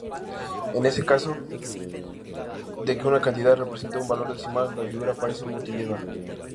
En caso de que una cantidad represente un valor decimal, la figura aparece mutilada.